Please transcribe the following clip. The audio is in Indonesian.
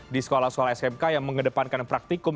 di sekolah sekolah smk yang mengedepankan praktikum